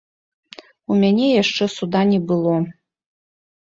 У мяне яшчэ суда не было.